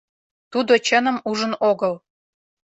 Тудо чыным ужын огыл.